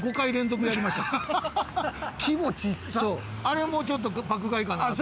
あれもちょっと爆買いかなと。